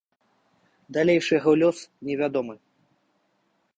Далейшы яго лёс не вядомы.